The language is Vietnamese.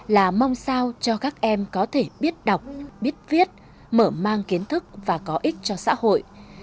là mong sao cho các em có thể biết đọc biết viết mở mang kiến thức và có ích cho xã hội